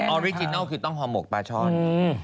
อริจินัลคือต้องห่อหมกปลาช่อน